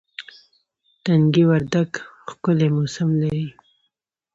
تنگي وردک ښکلی موسم لري